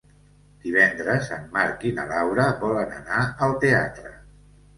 Divendres en Marc i na Laura volen anar al teatre.